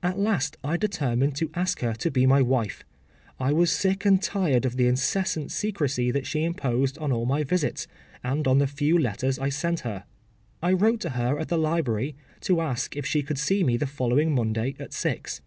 At last I determined to ask her to be my wife: I was sick and tired of the incessant secrecy that she imposed on all my visits, and on the few letters I sent her. I wrote to her at the library to ask her if she could see me the following Monday at six.